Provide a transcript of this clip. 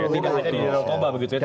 tidak hanya di narkoba begitu ya